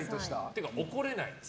ていうか、怒れない。